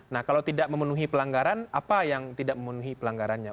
nah kalau tidak memenuhi pelanggaran apa yang tidak memenuhi pelanggarannya